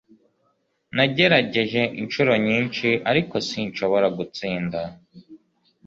Nagerageje inshuro nyinshi, ariko sinshobora gutsinda.